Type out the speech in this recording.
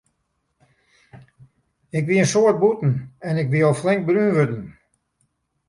Ik wie in soad bûten en ik wie al flink brún wurden.